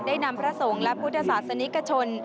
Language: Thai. นำพระสงฆ์และพุทธศาสนิกชน